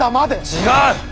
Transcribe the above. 違う！